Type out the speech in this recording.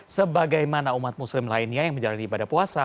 sebagaimana umat muslim lainnya yang menjalani ibadah puasa